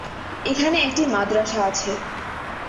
এখানে একটি মাদ্রাসা আছে।